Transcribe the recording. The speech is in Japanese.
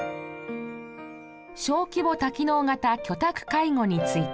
小規模多機能型居宅介護について。